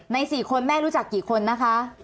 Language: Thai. ๔คนแม่รู้จักกี่คนนะคะ